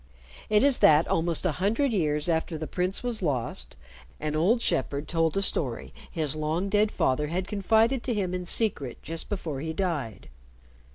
It is that almost a hundred years after the prince was lost, an old shepherd told a story his long dead father had confided to him in secret just before he died.